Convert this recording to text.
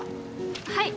はい。